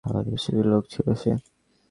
খুবই সংকীর্ণমনা লোক ছিল সে।